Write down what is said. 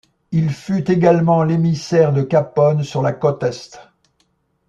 Il fut également l'émissaire de Capone sur la côte est.